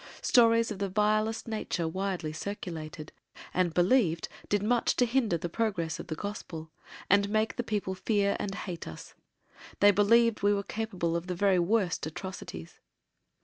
Stories of the vilest nature widely circulated and believed did much to hinder the progress of the Gospel, and make the people fear and hate us. They believed we were capable of the very worst atrocities.